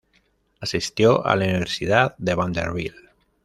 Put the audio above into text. Asistió a la Universidad de Vanderbilt.